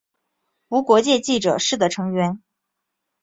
无国界记者是的成员。